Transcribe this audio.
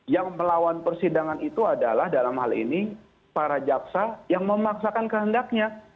yang melawan persidangan itu adalah dalam hal ini para jaksa yang memaksakan kehendaknya